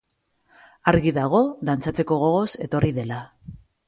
Argi dago dantzatzeko gogoz etorri dela.